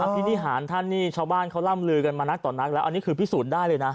พินิหารท่านนี่ชาวบ้านเขาร่ำลือกันมานักต่อนักแล้วอันนี้คือพิสูจน์ได้เลยนะ